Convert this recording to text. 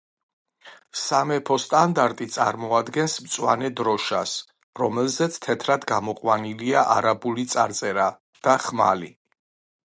სამეფო სტანდარტი წარმოადგენს მწვანე დროშას, რომელზე თეთრად გამოყვანილია არაბული წარწერა და ხმალი.